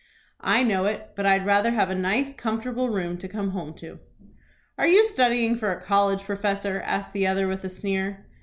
"I know it; but I'd rather have a nice, comfortable room to come home to." "Are you studying for a college professor?" asked the other, with a sneer.